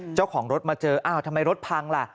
เจ้าของรถมาเจออ้าวทำไมรถพังล่ะ